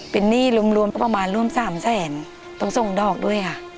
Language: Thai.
เป็นหนี้รวมก็ประมาณร่วม๓แสนต้องส่งดอกด้วยค่ะ